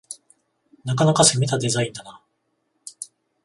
なかなか攻めたデザインだな